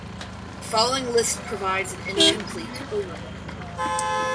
The following list provides an (incomplete) overview.